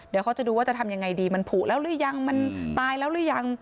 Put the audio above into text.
เดี๋ยวเขาจะดูว่าจะทำยังไงดีมันผูแล้วหรือยังมันตายแล้วหรือยัง